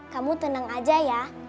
kamu tenang aja ya